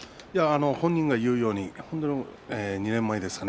本人が言うように２年前ですかね。